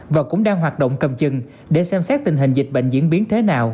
và cũng đang hoạt động cầm chừng để xem xét tình hình dịch bệnh diễn biến thế nào